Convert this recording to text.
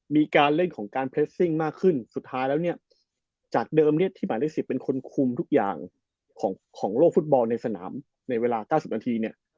มีการเล่นของการมากขึ้นสุดท้ายแล้วเนี้ยจากเดิมเนี้ยที่เป็นคนคุมทุกอย่างของของโลกฟุตบอลในสนามในเวลาเก้าสิบนาทีเนี้ย